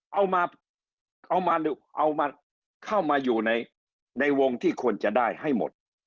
เอามาเข้ามาอยู่ในวงที่ควรจะได้ให้หมด